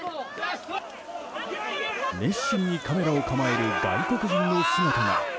熱心にカメラを構える外国人の姿が。